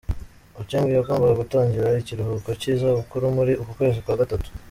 Ochieng yagombaga gutangira ikiruhuko cy’izabukuru muri uku kwezi kwa gatatu.